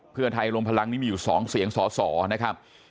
เพื่อไทยรวมพลังนี้มีอยู่๒เสียงสอสอนะครับ